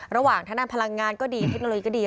ระหว่างพลังงานก็ดีเทคโนโลยีก็ดี